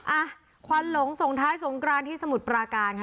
อ่ะควันหลงส่งท้ายสงกรานที่สมุทรปราการค่ะ